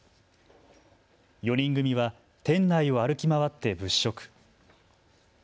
４人組は店内を歩き回って物色。